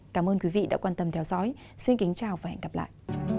cảm ơn quý vị đã quan tâm theo dõi xin kính chào và hẹn gặp lại